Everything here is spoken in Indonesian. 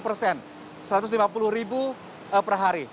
satu ratus lima puluh ribu per hari